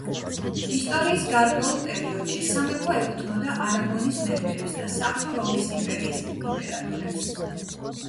ისტორიის გარკვეულ პერიოდში სამეფო ეკუთვნოდა არაგონის მეფეებს და საღვთო რომის იმპერიის იმპერატორებს.